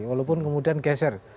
walaupun kemudian geser